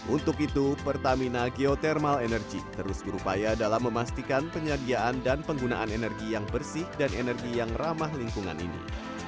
untuk itu pertamina geothermal energy terus berupaya dalam memastikan penyediaan dan penggunaan energi yang bersih dan energi yang ramah lingkungan ini